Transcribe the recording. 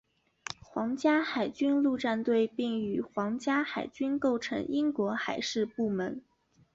皇家海军陆战队并与皇家海军构成为英国海事部门。